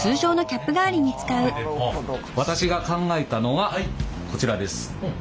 私が考えたのはこちらです。